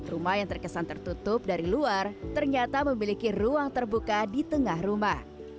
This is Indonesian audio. rumah yang terkesan tertutup dari luar ternyata memiliki ruang terbuka di tengah rumah